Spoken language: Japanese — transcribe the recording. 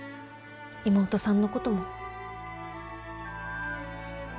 妹さんのことも。